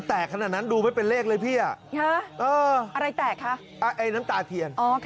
เห็นเป็นเลขอะไร